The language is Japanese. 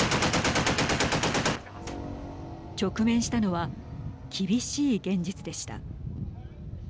直面したのは厳しい現実でした。